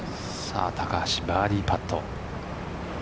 高橋、バーディーパット。